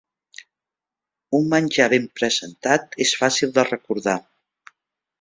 Un menjar ben presentat és fàcil de recordar.